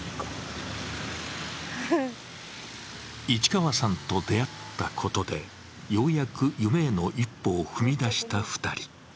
市川さんと出会ったことでようやく夢への一歩を踏み出した２人。